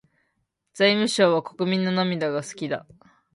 財務省は国民の涙が好きだ。